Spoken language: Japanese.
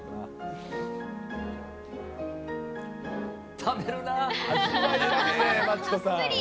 食べるなー。